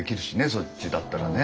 そっちだったらね。